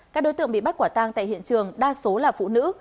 các đối tượng bị bắt quả tang tại hiện trường đa số là phụ nữ